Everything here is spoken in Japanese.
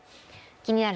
「気になる！